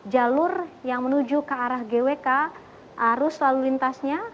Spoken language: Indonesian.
jalur yang menuju ke arah gwk harus selalu lintasnya